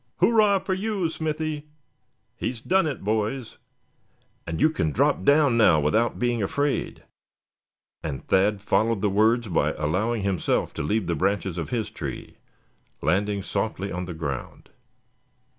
Hurrah for you, Smithy; he's done it, boys; and you can drop down now without being afraid," and Thad followed the words by allowing himself to leave the branches of his tree, landing softly on the ground.